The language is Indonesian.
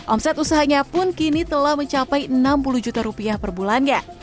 omset usahanya pun kini telah mencapai enam puluh juta rupiah per bulannya